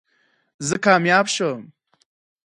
زه کامیاب شوم